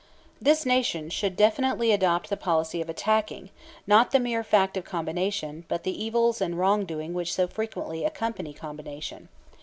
This Nation should definitely adopt the policy of attacking, not the mere fact of combination, but the evils and wrong doing which so frequently accompany combination.